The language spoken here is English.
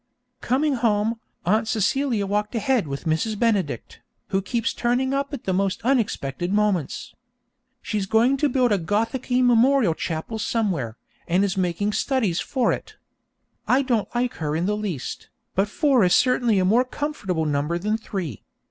Coming home, Aunt Celia walked ahead with Mrs. Benedict, who keeps turning up at the most unexpected moments. She's going to build a Gothicky memorial chapel somewhere, and is making studies for it. I don't like her in the least, but four is certainly a more comfortable number than three.